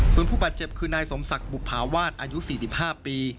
ส่วนผู้บาดเจ็บคือนายสมศักดิ์บุภาวาสอายุ๔๕ปี